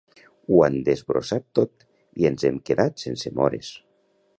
Ho han desbrossat tot i ens hem quedat sense mores